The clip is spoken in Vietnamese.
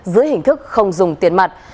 dưới hình thức không dùng tiền mặt